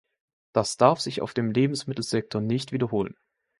Das darf sich auf dem Lebensmittelsektor nicht wiederholen.